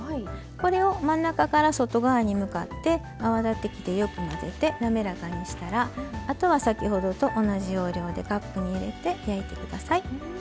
これを真ん中から外側に向かって泡立て器でよく混ぜて滑らかにしたらあとは先ほどと同じ要領でカップに入れて焼いて下さい。